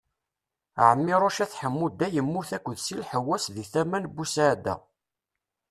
Ɛmiruc At Ḥemmuda yemmut akked Si Lḥessaw di tama n Busɛada.